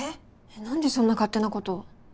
なんでそんな勝手なこと！？